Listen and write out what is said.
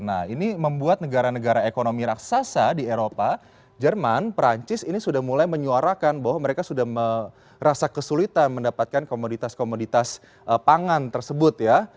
nah ini membuat negara negara ekonomi raksasa di eropa jerman perancis ini sudah mulai menyuarakan bahwa mereka sudah merasa kesulitan mendapatkan komoditas komoditas pangan tersebut ya